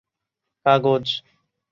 কাগজ